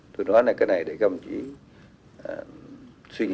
tôi nói là cái này để các ông chỉ suy nghĩ